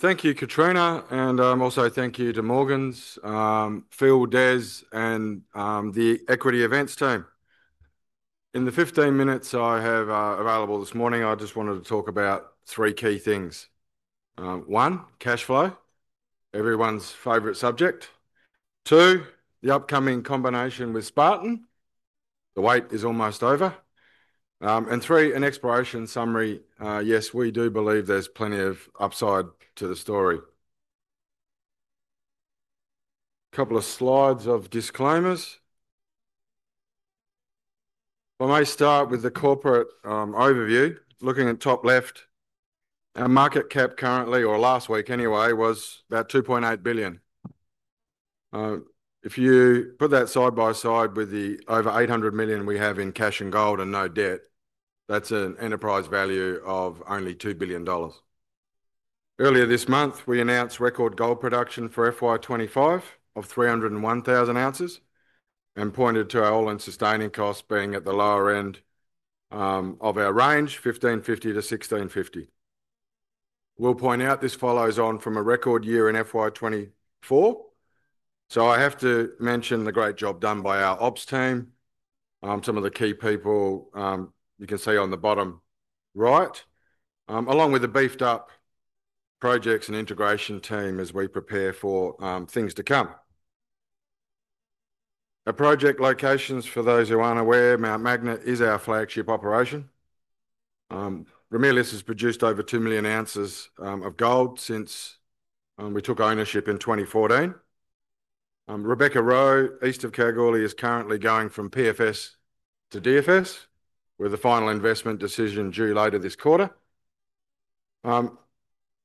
Thank you Katrina, and also thank you to Morgans, Phil, Des, and the Equity Events team. In the 15 minutes I have available this morning, I just wanted to talk about three key things. 1. Cash flow, everyone's favorite subject. 2. The upcoming combination with Spartan, the wait is almost over. 3. An exploration summary. Yes, we do believe there's plenty of upside to the story. A couple of slides of disclaimers. I may start with the corporate overview. Looking at top left, our market cap currently, or last week anyway, was about $2.8 billion. If you put that side by side with the over $800 million we have in cash and gold and no debt, that's an enterprise value of only $2 billion. Earlier this month, we announced record gold production for FY25 of 301,000 oz and pointed to our all-in sustaining costs being at the lower end of our range, $1,550 to $1,650. I'll point out this follows on from a record year in FY24, so I have to mention the great job done by our OPS team. Some of the key people you can see on the bottom right, along with the beefed-up projects and integration team as we prepare for things to come. Our project locations, for those who aren't aware, Mount Magnet is our flagship operation. Ramelius has produced over 2 million ounces of gold since we took ownership in 2014. Rebecca, east of Kalgoorlie, is currently going from PFS to DFS with the final investment decision due later this quarter.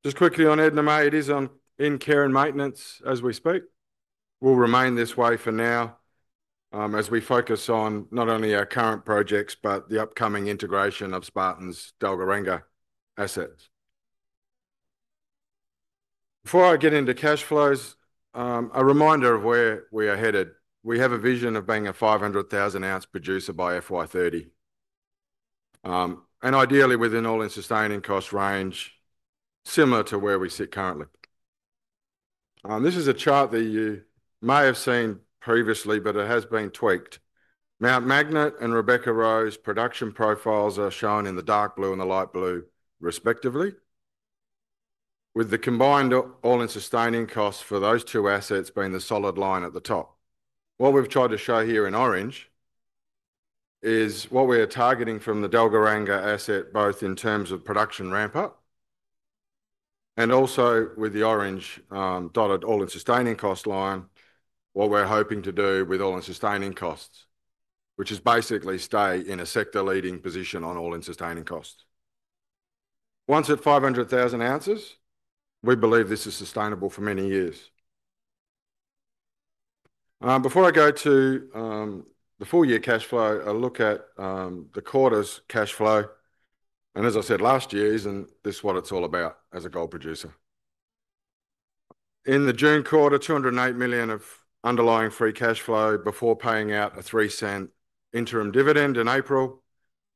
Just quickly on Edna May, it is in care and maintenance as we speak. It will remain this way for now as we focus on not only our current projects but the upcoming integration of Spartan's Dalgoranga assets. Before I get into cash flows, a reminder of where we are headed. We have a vision of being a 500,000 ounce producer by FY30 and ideally within all-in sustaining cost range similar to where we sit currently. This is a chart that you may have seen previously, but it has been tweaked. Mount Magnet and Rebecca production profiles are shown in the dark blue and the light blue respectively, with the combined all-in sustaining costs for those two assets being the solid line at the top. What we've tried to show here in orange is what we are targeting from the Dalgoranga asset, both in terms of production ramp up and also with the orange dotted all-in sustaining cost line. What we're hoping to do with all-in sustaining costs is basically stay in a sector-leading position on all-in sustaining costs. Once at 500,000 ounces, we believe this is sustainable for many years. Before I go to the full year cash flow, a look at the quarter's cash flow. As I said last year, isn't this what it's all about as a gold producer? In the June quarter, $208 million of underlying free cash flow before paying out a $0.03 interim dividend in April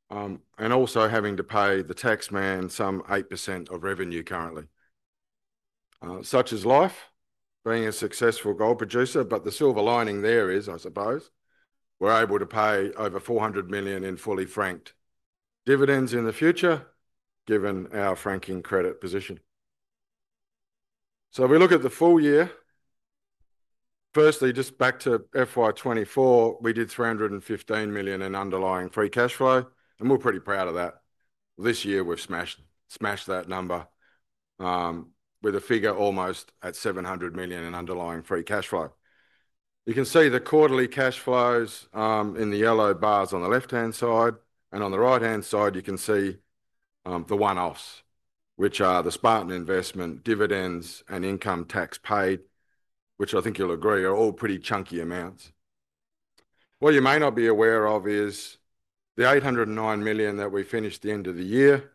and also having to pay the taxman some 8% of revenue currently, such is life being a successful gold producer. The silver lining there is, I suppose we're able to pay over $400 million in fully franked dividends in the future given our franking credit position. If we look at the full year firstly, just back to FY2024, we did $315 million in underlying free cash flow and we're pretty proud of that. This year we've smashed that number with a figure almost at $700 million in underlying free cash flow. You can see the quarterly cash flows in the yellow bars on the left hand side. On the right hand side you can see the one offs, which are the Spartan investment dividends and income tax paid, which I think you'll agree are all pretty chunky amounts. What you may not be aware of is the $809 million that we finished the end of the year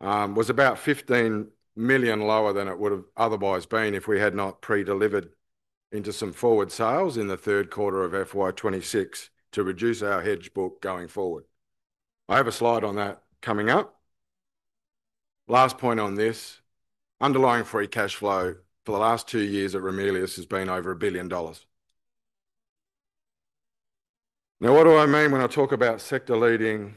with was about $15 million lower than it would have otherwise been if we had not pre-delivered into some forward sales in the third quarter of FY2026 to reduce our hedge book going forward. I have a slide on that coming up. Last point on this. Underlying free cash flow for the last two years at Ramelius has been over $1 billion. Now what do I mean when I talk about sector leading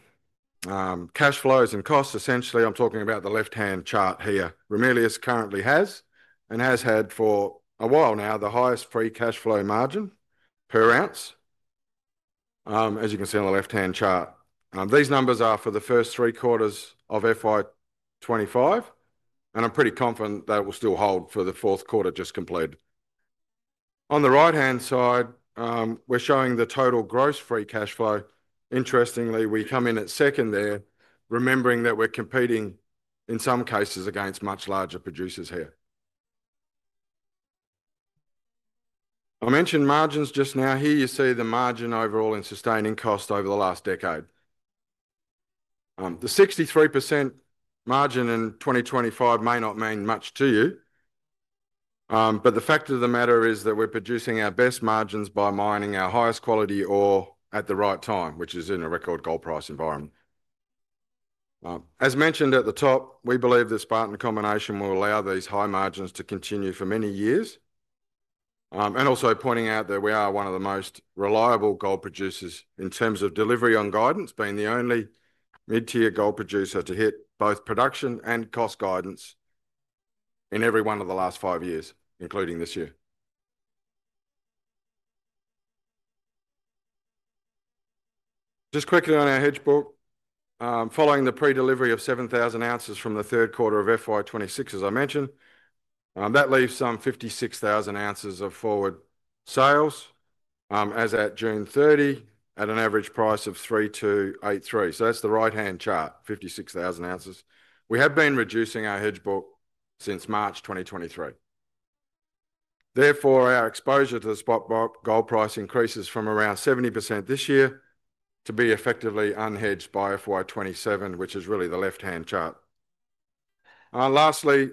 cash flows and costs? Essentially I'm talking about the left hand chart here. Ramelius currently has and has had for a while now the highest free cash flow margin per ounce, as you can see on the left hand chart. These numbers are for the first three quarters of FY2025 and I'm pretty confident that will still hold for the fourth quarter just complete. On the right hand side we're showing the total gross free cash flow. Interestingly, we come in at second there, remembering that we're competing in some cases against much larger producers. I mentioned margins just now. Here you see the margin overall in sustaining cost over the last decade. The 63% margin in 2025 may not mean much to you, but the fact of the matter is that we're producing our best margins by mining our highest quality ore at the right time, which is in a record gold price environment. As mentioned at the top, we believe this Spartan combination will allow these high margins to continue for many years. Also pointing out that we are one of the most reliable gold producers in terms of delivery on guidance, being the only mid-tier gold producer to hit both production and cost guidance in every one of the last five years including this year. Just quickly on our hedge book, following the pre-delivery of 7,000 ounces from the third quarter of FY26 as I mentioned, that leaves some 56,000 ounces of forward sales as at June 30 at an average price of $3,283. That's the right-hand chart. 56,000 ounces. We have been reducing our hedge book since March 2023. Therefore, our exposure to the spot gold price increases from around 70% this year to be effectively unhedged by FY27, which is really the left-hand chart. Lastly,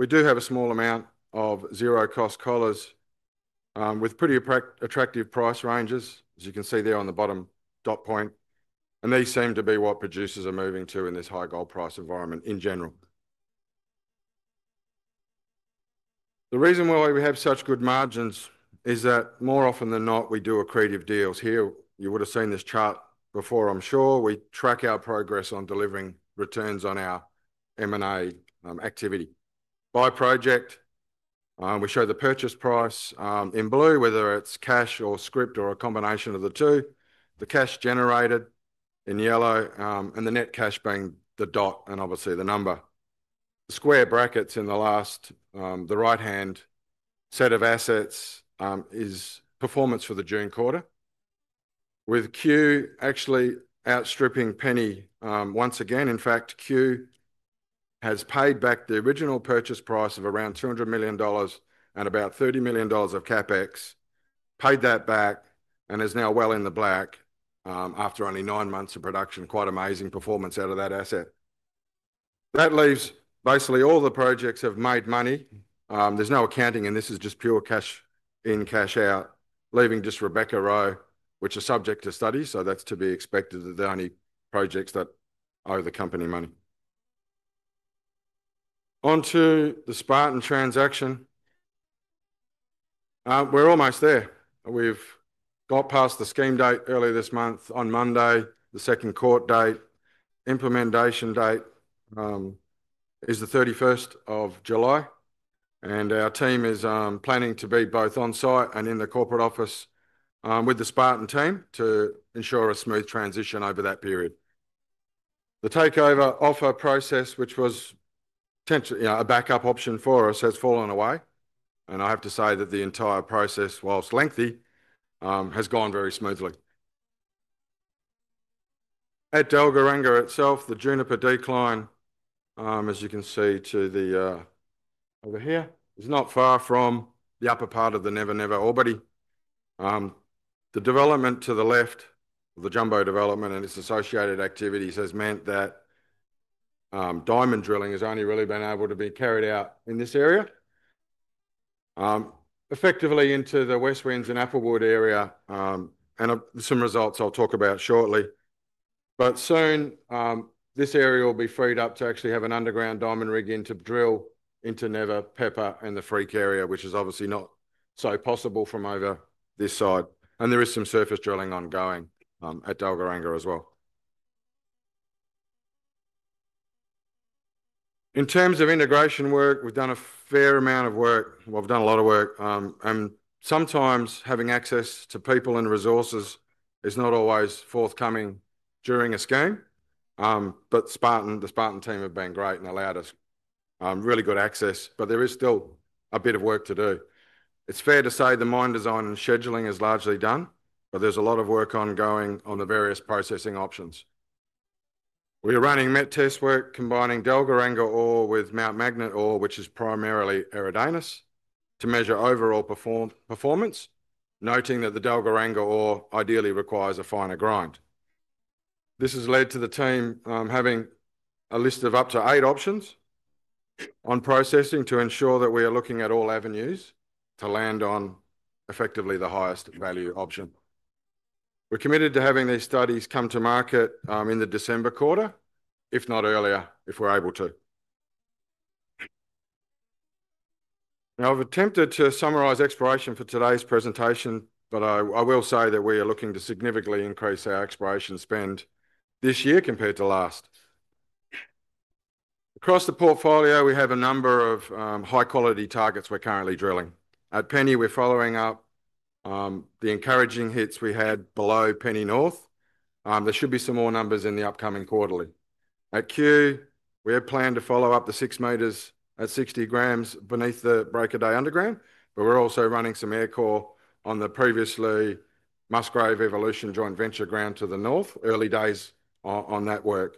we do have a small amount of zero cost collars with pretty attractive price ranges as you can see there on the bottom dot point, and they seem to be what producers are moving to in this high gold price environment. In general, the reason why we have such good margins is that more often than not we do accretive deals here. You would have seen this chart before, I'm sure. We track our progress on delivering returns on our M&A activity by project. We show the purchase price in blue, whether it's cash or script or a combination of the two, the cash generated in yellow, and the net cash being the dot, and obviously the number in square brackets in the last. The right-hand set of assets is performance for the June quarter, with Q actually outstripping Penny once again. In fact, Q has paid back the original purchase price of around $200 million and about $30 million of CapEx, paid that back, and is now well in the black after only nine months of production. Quite amazing performance out of that asset. That leaves basically all the projects have made money. There's no accounting, and this is just pure cash in, cash out, leaving just Rebecca and Roe, which are subject to study. That's to be expected, that the only projects that owe the company money. Onto the Spartan transaction, we're almost there. We've got past the scheme date earlier this month on Monday. The second court date implementation date is July 31, and our team is planning to be both on site and in the corporate office with the Spartan team to ensure a smooth transition over that period. The takeover offer process, which was potentially a backup option for us, has fallen away, and I have to say that the entire process, whilst lengthy, has gone very smoothly at Dalgoranga itself. The Juniper decline, as you can see over here, not far from the upper part of the Never Never, orbiting the development to the left. The Jumbo development and its associated activities has meant that diamond drilling has only really been able to be carried out in this area effectively into the West Winds and Applewood area. Some results I'll talk about shortly. Soon this area will be freed up to actually have an underground diamond rig in to drill into Never Never, Pepper, and the Freak area, which is obviously not so possible from over this side. There is some surface drilling ongoing at Dalgoranga as well. In terms of integration work, we've done a fair amount of work. We've done a lot of work and sometimes having access to people and resources is not always forthcoming during a scheme. The Spartan team have been great and allowed us really good access. There is still a bit of work to do, it's fair to say. The mine design and scheduling is largely done, but there's a lot of work ongoing on the various processing options. We are running metallurgical test work combining Dalgoranga ore with Mount Magnet ore, which is primarily Eridanus, to measure overall performance, noting that the Dalgoranga ore ideally requires a finer grind. This has led to the team having a list of up to eight options on processing to ensure that we are looking at all avenues to land on effectively the highest value option. We're committed to having these studies come to market in the December quarter, if not earlier if we're able to. Now, I've attempted to summarize exploration for today's presentation, but I will say that we are looking to significantly increase our exploration spend this year compared to last. Across the portfolio we have a number of high quality targets. We're currently drilling at Penny. We're following up the encouraging hits we had below Penny North. There should be some more numbers in the upcoming quarterly. At Kew, we had planned to follow up the 6 meters at 60 grams beneath the Break of Day underground. We're also running some air core on the previously Musgrave Evolution joint venture ground to the north. Early days on that work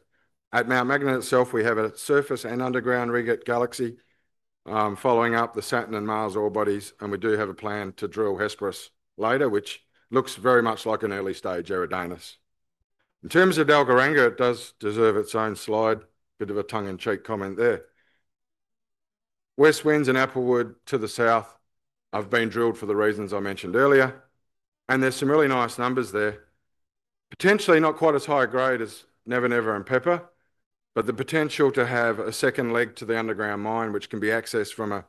at Mount Magnet itself. We have a surface and underground rig at Galaxy following up the Saturn and Mars ore bodies. We do have a plan to drill Hesperus later, which looks very much like an early stage Eridanus. In terms of Dalgoranga, it does deserve its own slide. Bit of a tongue in cheek comment there. West Winds and Applewood to the south have been drilled for the reasons I mentioned earlier, and there's some really nice numbers there. Potentially not quite as high grade as Never Never and Pepper, but the potential to have a second leg to the underground mine, which can be accessed from a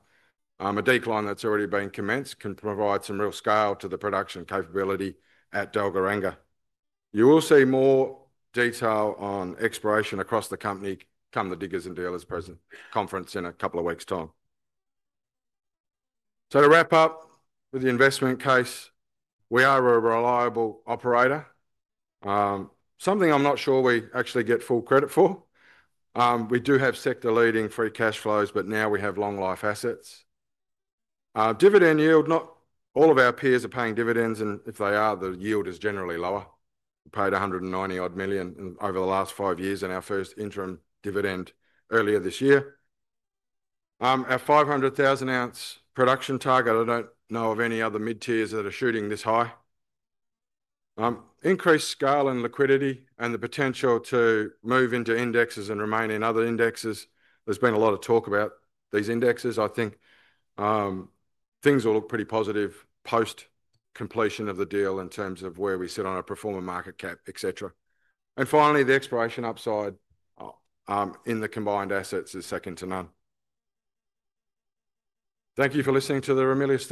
decline that's already been commenced, can provide some real scale to the production capability at Dalgoranga. You will see more detail on exploration across the company come the Diggers and Dealers present conference in a couple of weeks' time. To wrap up with the investment case, we are a reliable operator, something I'm not sure we actually get full credit for. We do have sector-leading free cash flows, but now we have long-life assets and dividend yield. Not all of our peers are paying dividends, and if they are, the yield is generally lower. We paid $190 million over the last five years and our first interim dividend earlier this year. Our 500,000 ounce production target—I don't know of any other mid-tiers that are shooting this high. Increased scale and liquidity and the potential to move into indexes and remain in other indexes. There's been a lot of talk about these indexes. I think things will look pretty positive post completion of the deal in terms of where we sit on a pro forma market cap, etc. Finally, the exploration upside in the combined assets is second to none. Thank you for listening to the Ramelius story.